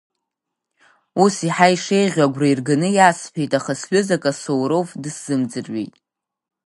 Ус еиҳа ишеиӷьу агәра ирганы иасҳәеит, аха сҩыза косоуров дысзымӡырҩит.